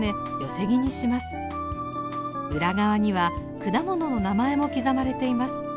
裏側には果物の名前も刻まれています。